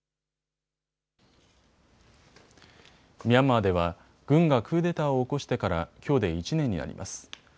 ミャンマーでは軍がクーデターを起こしてからきょうで１年になります。